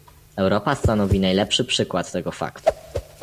Europa stanowi najlepszy przykład tego faktu